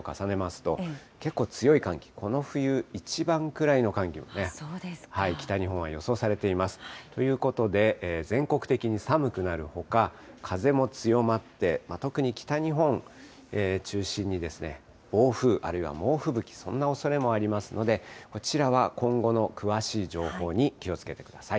ということで、全国的に寒くなるほか、風も強まって、特に北日本を中心に、暴風あるいは猛吹雪、そんなおそれもありますので、こちらは今後の詳しい情報に気をつけてください。